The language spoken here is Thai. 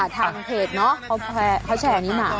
ทางเพจเนอะเขาแชร์นี้มา